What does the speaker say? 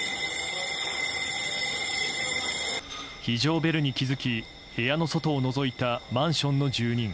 非常ベルに気づき部屋の外をのぞいたマンションの住人。